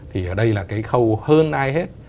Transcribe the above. thì ở đây là cái khâu hơn ai hết